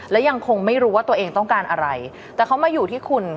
และยังคงไม่รู้ว่าตัวเองต้องการอะไรแต่เขามาอยู่ที่คุณ